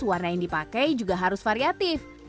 warna yang dipakai juga harus variatif